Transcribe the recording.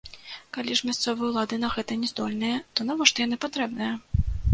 Калі ж мясцовыя ўлады на гэта не здольныя, то навошта яны патрэбныя?